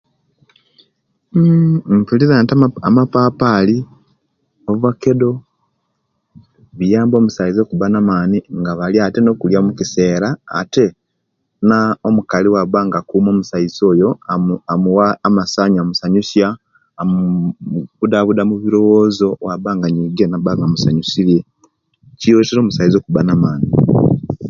Mmm mpulira nti amapapali, ovakedo, biyamba omusaiza okuba namani nga balya ate nokulya mukisera ate nomukali waba nga akuma omusaiza oyo amuwa amasanyu amusanyusa amubudabuda mubiriwozo owaba nga anyigire naba nga amusanyusire kiretera omusaiza okuba namani